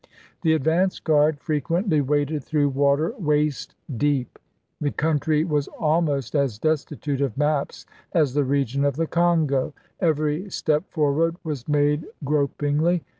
The advance guard frequently waded through water waist deep. The country was almost as destitute of maps as the region of the Congo ; every step forward was made grop ingly.